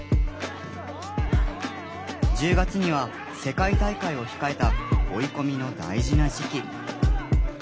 １０月には世界大会を控えた追い込みの大事な時期。